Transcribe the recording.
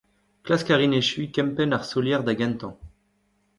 Klask a rin echuiñ kempenn ar solier da gentañ.